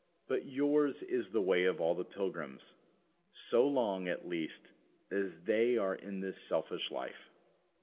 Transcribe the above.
But yours is the way of all the pilgrims so long, at least, as they are in this selfish life.